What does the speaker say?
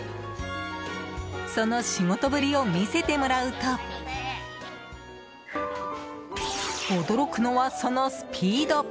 その仕事ぶりを見せてもらうと驚くのはそのスピード。